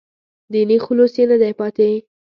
دیني خلوص یې نه دی پاتې.